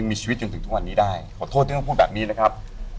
มีชีวิตจนถึงทุกวันนี้ได้ขอโทษที่เขาพูดแบบนี้นะครับ